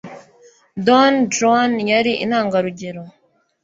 don juan yari intangarugero